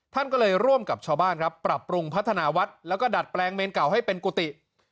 ท่านก็เลยร่วมกับชาวบ้านครับปรับปรุงพัฒนาวัดแล้วก็ดัดแปลงเมนเก่าให้เป็นกุฏิ